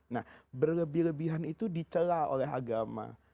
nah berlebih lebihan itu dicelah oleh agama